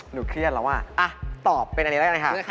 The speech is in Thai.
หนูเครียดแล้วว่ะตอบเป็นอันนี้แล้วกันค่ะ